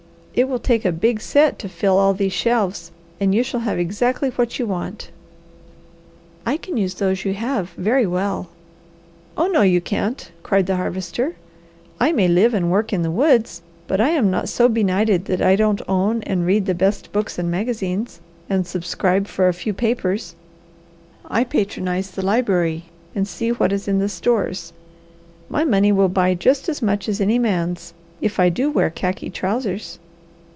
It will take a big set to fill all these shelves and you shall have exactly what you want." "I can use those you have very well." "Oh no you can't!" cried the Harvester. "I may live and work in the woods, but I am not so benighted that I don't own and read the best books and magazines, and subscribe for a few papers. I patronize the library and see what is in the stores. My money will buy just as much as any man's, if I do wear khaki trousers.